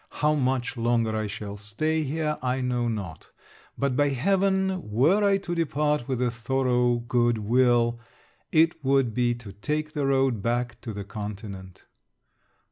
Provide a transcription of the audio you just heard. How much longer I shall stay here I know not, but by heaven were I to depart with a thorough good will, it would be to take the road back to the continent.